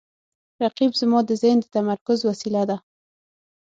رقیب زما د ذهن د تمرکز وسیله ده